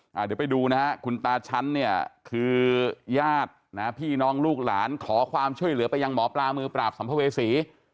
เดี๋ยวไปดูนะฮะคุณตาชั้นเนี่ยคือญาตินะฮะพี่น้องลูกหลานขอความช่วยเหลือไปยังหมอปลามือปราบสัมภเวษี